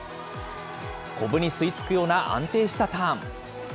こぶに吸いつくような安定したターン。